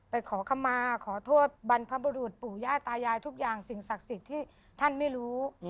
ขอคำมาขอโทษบรรพบุรุษปู่ย่าตายายทุกอย่างสิ่งศักดิ์สิทธิ์ที่ท่านไม่รู้